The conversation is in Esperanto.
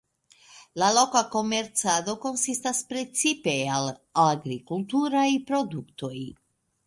La loka komercado konsistas precipe el agrikulturaj produktoj.